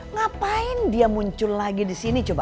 ngapain dia muncul lagi disini coba